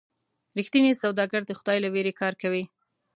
رښتینی سوداګر د خدای له ویرې کار کوي.